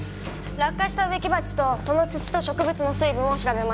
落下した植木鉢とその土と植物の水分を調べました。